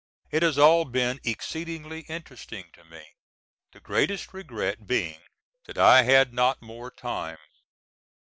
It has all been exceedingly interesting to me, the greatest regret being that I had not more time.